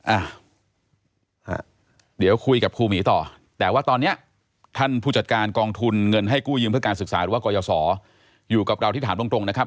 อ่ะเดี๋ยวคุยกับครูหมีต่อแต่ว่าตอนนี้ท่านผู้จัดการกองทุนเงินให้กู้ยืมเพื่อการศึกษาหรือว่ากรยศอยู่กับเราที่ถามตรงนะครับ